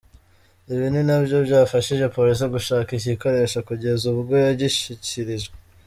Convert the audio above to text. Ibi ninabyo byafashije Polisi gushaka iki gikoresho kugeza ubwo yagishyikirijwe.